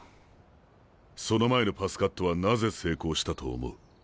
その前のパスカットはなぜ成功したと思う？